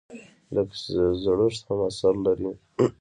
لکه چې زړښت هم اثر لري.